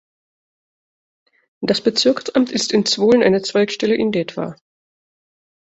Das Bezirksamt ist in Zvolen, eine Zweigstelle in Detva.